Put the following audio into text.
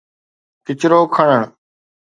ڪچرو کڻڻ.